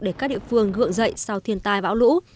để các địa phương gượng dậy sau thiên tai bão lũ